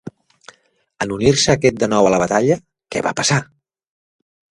En unir-se aquest de nou a la batalla, què va passar?